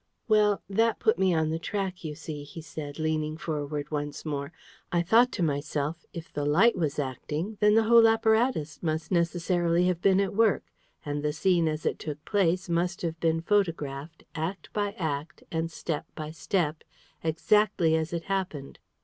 "Well, that put me on the track, you see," he said, leaning forward once more. "I thought to myself, if the light was acting, then the whole apparatus must necessarily have been at work, and the scene as it took place must have been photographed, act by act and step by step, exactly as it happened.